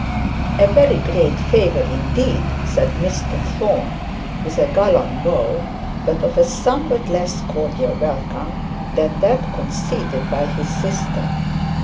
'A very great favour indeed,' said Mr Thorne, with a gallant bow, but of somewhat less cordial welcome than that conceded by his sister.